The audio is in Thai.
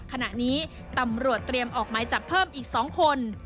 ขณะนี้ตำรวจเตรียมออกหมายจับเพิ่มอีก๒คน